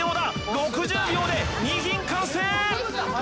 ６０秒で２品完成！